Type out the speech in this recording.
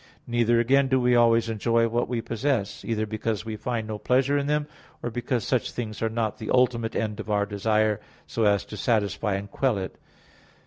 Neither, again, do we always enjoy what we possess; either because we find no pleasure in them, or because such things are not the ultimate end of our desire, so as to satisfy and quell it.